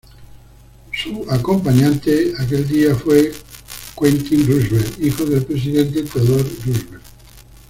Su acompañante aquel día fue Quentin Roosevelt, hijo del Presidente Theodore Roosevelt.